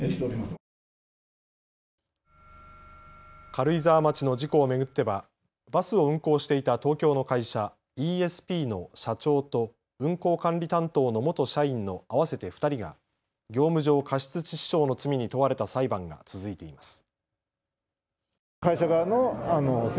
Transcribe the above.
軽井沢町の事故を巡ってはバスを運行していた東京の会社、イーエスピーの社長と運行管理担当の元社員の合わせて２人が業務上過失致死傷の罪に問われた裁判が続いています。